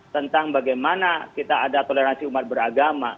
tentang bagaimana kita ada toleransi umat beragama